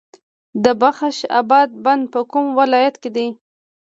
د بخش اباد بند په کوم ولایت کې دی؟